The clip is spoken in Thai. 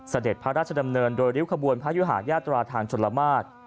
เสด็จพระราชดำเนินโดยริ้วขบวนพระยุหายาตราทางชนละมาตร